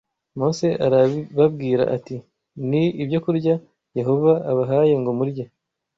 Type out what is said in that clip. Mose arababwira ati ni ibyokurya Yehova abahaye ngo murye